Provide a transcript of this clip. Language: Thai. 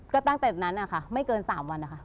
ก็ตั้งแต่นั้นนะคะไม่เกิน๓วันนะคะ